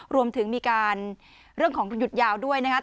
รวมถึงมีการเรื่องของหยุดยาวด้วยนะครับ